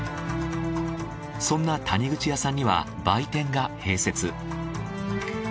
そんな谷口屋さんには売店が併設。